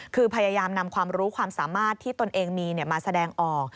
คือพยายามนำความรู้ความสามารถที่ตนเองมีมาแสดงออก